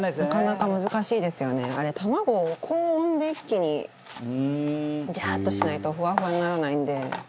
あれ卵を高温で一気にジャーッとしないとふわふわにならないんで。